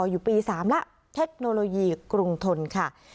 อยู่ปี๓แล้วเทคโนโลยีกรุงทนค่ะ